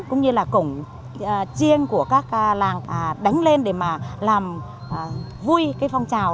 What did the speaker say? cũng như là cổng chiên của các làng đánh lên để mà làm vui phong trào